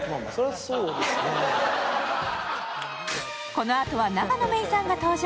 このあとは永野芽郁さんが登場。